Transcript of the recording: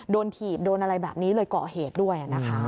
โดนถีบโดนอะไรแบบนี้เลยเกาะเหตุด้วย